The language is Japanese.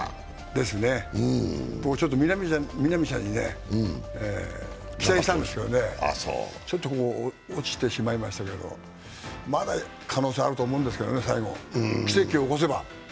僕、みなみちゃんに期待してたんですけどね、ちょっと落ちてしまいましたけれどもまだ可能性あると思うんですけどね、最後、奇跡を起こせば。